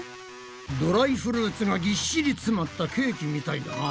ドライフルーツがぎっしり詰まったケーキみたいだな。